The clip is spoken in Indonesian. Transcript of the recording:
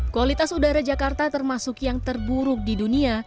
kualitas udara jakarta termasuk yang terburuk di dunia